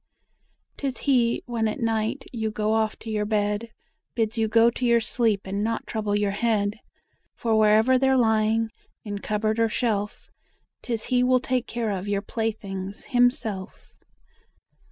'Tis he when at night; you go off to your bed, Bids you go to your sleep and not trouble your head; For wherever they're lying, in cupboard or shelf, 'Tis he will take care of your playthings himself!